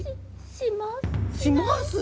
します？